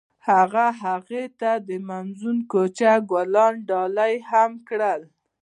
هغه هغې ته د موزون کوڅه ګلان ډالۍ هم کړل.